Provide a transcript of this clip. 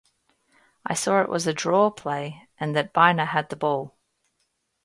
I saw it was a draw play and that Byner had the ball.